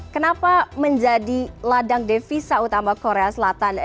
kenapa menjadi ladang devisa utama korea selatan